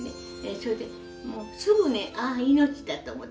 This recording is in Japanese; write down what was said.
それですぐねああ「いのち」だと思って。